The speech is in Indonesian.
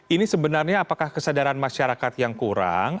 ini sebenarnya apakah kesadaran masyarakat yang kurang